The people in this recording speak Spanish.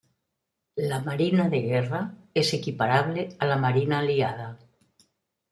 La marina de guerra es equiparable a la marina aliada.